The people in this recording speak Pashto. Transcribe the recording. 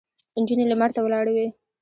نجونې لمر ته ولاړې وې.